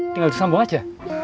tinggal disambung aja